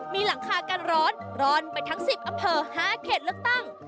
มีหลังคากันร้อนร้อนไปทั้งสิบอเผลอห้าเขตลึกตั้ง